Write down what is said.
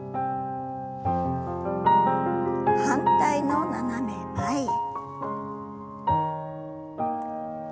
反対の斜め前へ。